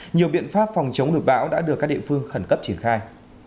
nhiều biện pháp phòng chống lụt bão đã được các địa phương khẩn cấp triển khai